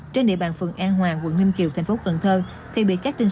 trên địa bàn phường an hoàng quận ninh kiều tp cn